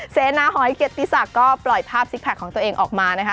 เสนาหอยเกียรติศักดิ์ก็ปล่อยภาพซิกแพคของตัวเองออกมานะคะ